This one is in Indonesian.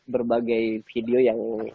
berbagai video yang